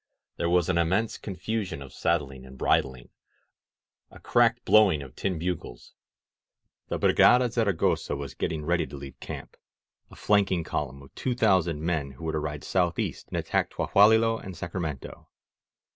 There was an immense con fusion of saddling and bridling — ^a cracked blowing of tin bugles. The Brigada Zavagosa was getting ready to leave camp — a flanking column of two thousand men who were to ride southeast and attack Tlahualilo and Sacramento.